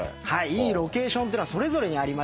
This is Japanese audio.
いいロケーションってのはそれぞれにありまして。